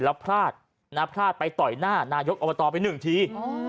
แล้วพลาดไปต่อยหน้านายกษ์อบตไปนึงที